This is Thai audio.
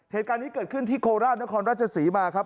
เหตุการณ์นี้เกิดขึ้นที่โคราชนครราชศรีมาครับ